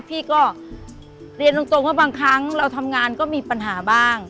พี่ก็เรียนตรงว่าบางครั้งเราทำงานก็มีปัญหาบ้าง